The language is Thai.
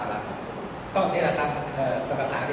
มันก็จะตาทำทาย